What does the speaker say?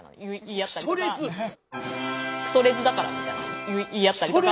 「くそレズだから」みたいな言いあったりとか。